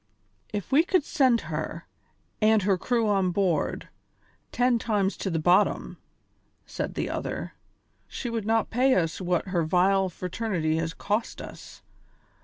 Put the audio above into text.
"If we could send her, with her crew on board, ten times to the bottom," said the other, "she would not pay us what her vile fraternity has cost us.